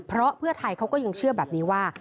เพราะเพื่อไทยเขาก็ยังเชื่อแบบนี้ว่า